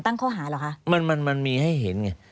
ตั้งเข้าหาเหรอคะมันมีให้เห็นไง